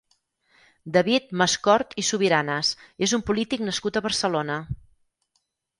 David Mascort i Subiranas és un polític nascut a Barcelona.